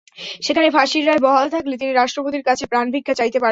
সেখানে ফাঁসির রায় বহাল থাকলে তিনি রাষ্ট্রপতির কাছে প্রাণভিক্ষা চাইতে পারবেন।